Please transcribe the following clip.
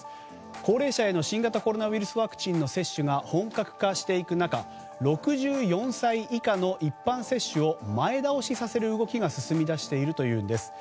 高齢者への新型コロナウイルスワクチンへの接種が本格化していく中、６４歳以下の一般接種を前倒しさせる動きが進みだしているということです。